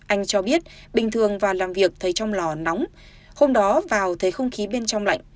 anh cho biết bình thường vào làm việc thấy trong lò nóng hôm đó vào thấy không khí bên trong lạnh